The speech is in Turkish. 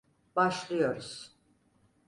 BaşIıyoruz.